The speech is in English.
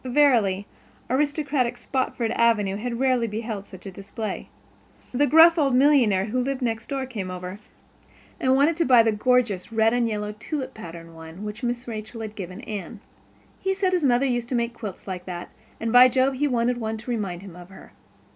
Verily, aristocratic Spofford Avenue had rarely beheld such a display. The gruff old millionaire who lived "next door" came over and wanted to buy the gorgeous red and yellow "tulip pattern" one which Mrs. Rachel had given Anne. He said his mother used to make quilts like that, and by Jove, he wanted one to remind him of her.